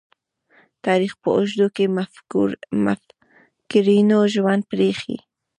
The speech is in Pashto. تاریخ په اوږدو کې مُفکرینو ژوند پريښی.